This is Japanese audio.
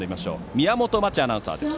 宮本真智アナウンサーです。